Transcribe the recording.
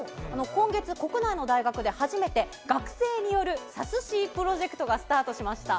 今月、国内の大学で初めて、学生によるサスシー・プロジェクトがスタートしました。